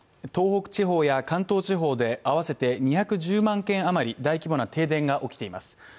東北地方や関東地方で合わせて２１０万軒あまり大規模な停電が起きています。